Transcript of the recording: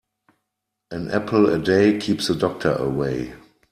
An apple a day keeps the doctor away.